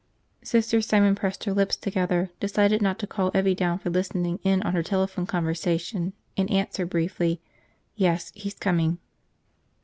Sister Simon pressed her lips together, decided not to call Evvie down for listening in on her telephone conversation, and answered briefly, "Yes, he's coming."